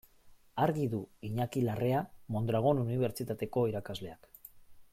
Argi du Iñaki Larrea Mondragon Unibertsitateko irakasleak.